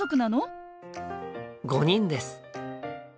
５人です。